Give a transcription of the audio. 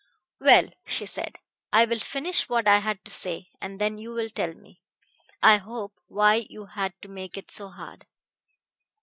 "Well," she said, "I will finish what I had to say, and then you will tell me, I hope, why you had to make it so hard.